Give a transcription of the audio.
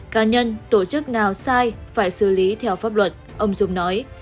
cá nhân tổ chức nào sai phải xử lý theo pháp luật ông dung nói